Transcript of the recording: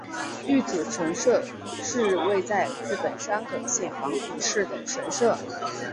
玉祖神社是位在日本山口县防府市的神社。